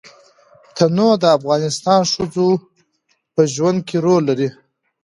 تنوع د افغان ښځو په ژوند کې رول لري.